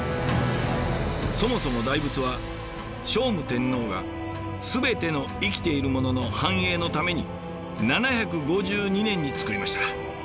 そもそも大仏は聖武天皇がすべての生きているものの繁栄のために７５２年に造りました。